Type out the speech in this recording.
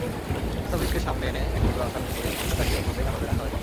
মোস্তাফিজকে সামনে এনে একমাত্র আসামি করে হত্যাকারী অন্যদের আড়ালে রাখা হয়েছে।